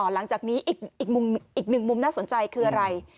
หลังจากนี้อีกมุมนักสนใจคืออะไร